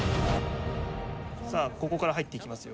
さあここから入っていきますよ。